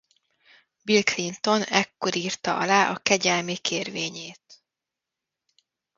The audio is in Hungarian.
Bill Clinton ekkor írta alá a kegyelmi kérvényét.